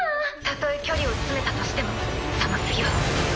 たとえ距離を詰めたとしてもその次は。